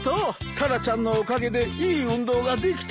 タラちゃんのおかげでいい運動ができたわい。